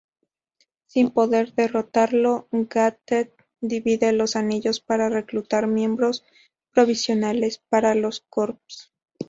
Sin poder derrotarlo, Ganthet divide los anillos para reclutar miembros provisionales para los Corps.